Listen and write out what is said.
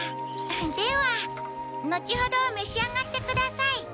では後ほどめし上がってください。